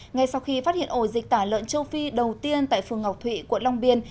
ngay sau khi phát hiện ổ dịch tả lợn châu phi đầu tiên tại phường ngọc thụy quận long biên